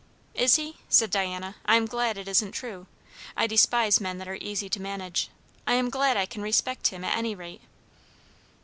"Is he?" said Diana. "I am glad it isn't true. I despise men that are easy to manage. I am glad I can respect him, at any rate."